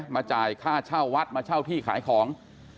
จ่ายค่าเช่าวัดมาเช่าที่ขายของ